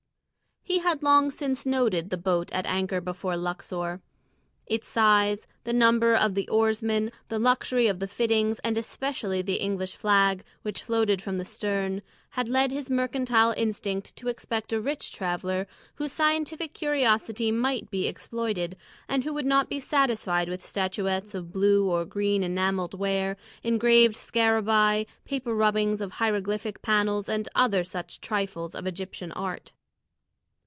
He had long since noted the boat at anchor before Luxor. Its size, the number of the oarsmen, the luxury of the fittings, and especially the English flag which floated from the stern, had led his mercantile instinct to expect a rich traveller whose scientific curiosity might be exploited, and who would not be satisfied with statuettes of blue or green enamelled ware, engraved scarabæi, paper rubbings of hieroglyphic panels, and other such trifles of Egyptian art.